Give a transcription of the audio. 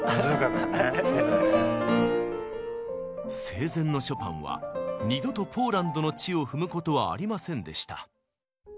生前のショパンは二度とポーランドの地を踏むことはありませんでした。